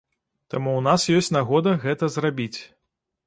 Таму ў нас ёсць нагода гэта зрабіць.